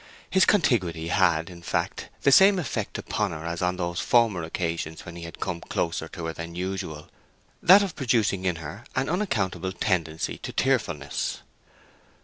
His contiguity had, in fact, the same effect upon her as on those former occasions when he had come closer to her than usual—that of producing in her an unaccountable tendency to tearfulness.